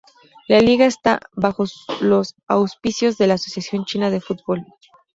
La liga está bajo los auspicios de la Asociación China de Fútbol.